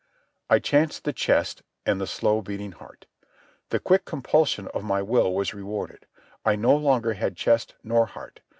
I chanced the chest and the slow beating heart. The quick compulsion of my will was rewarded. I no longer had chest nor heart.